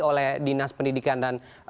oleh dinas pendidikan dan